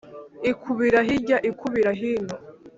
Ikubira hirya ikubira hino,